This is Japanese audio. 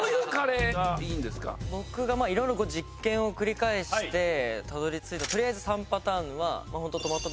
僕がいろいろ実験を繰り返してたどり着いた３パターン。